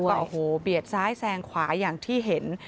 ก็โอ้โหเบียดซ้ายแซงขวาอย่างที่เห็น